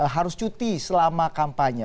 harus cuti selama kampanye